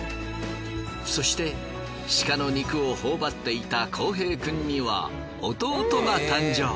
そして鹿の肉をほおばっていた航平くんには弟が誕生。